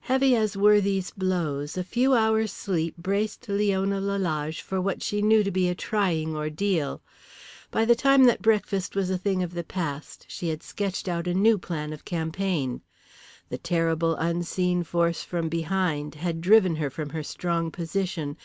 Heavy as were these blows, a few hours' sleep braced Leona Lalage for what she knew to be a trying ordeal. By the time that breakfast was a thing of the past she had sketched out a new plan of campaign. The terrible unseen force from behind had driven her from her strong position.